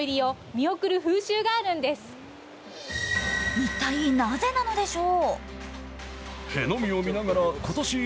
一体なぜなのでしょう？